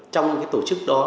trong cái tổ chức đó